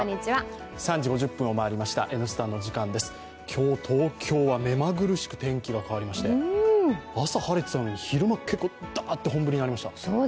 今日、東京は目まぐるしく天気が変わりまして朝晴れてたのに、昼間ダーッと本降りになりました。